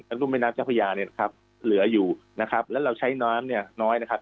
และลุมแม่น้ำทรัพยาเหลืออยู่และเราใช้น้ำน้อย